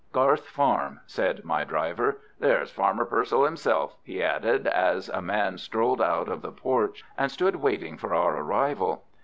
"Garth Farm," said my driver. "There is Farmer Purcell himself," he added, as a man strolled out of the porch and stood waiting for our arrival.